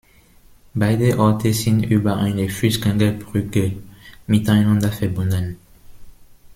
Beide Orte sind über eine Fußgängerbrücke miteinander verbunden.